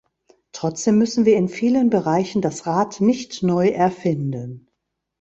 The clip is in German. Trotzdem müssen wir in vielen Bereichen das Rad nicht neu erfinden.